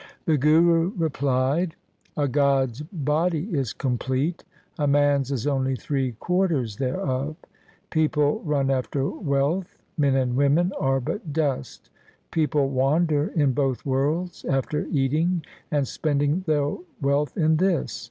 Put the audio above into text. The Guru replied :— A god's body is complete ; a man's is only three quarters thereof. People run after wealth ; men and women are but dust. People wander in both worlds after eating and spending their wealth in this.